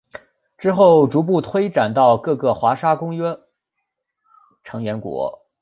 之后逐步推展到各个华沙公约成员国。